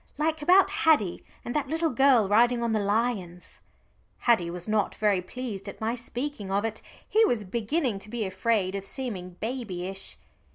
"Like about Haddie, and that little girl riding on the lions." Haddie was not very pleased at my speaking of it; he was beginning to be afraid of seeming babyish.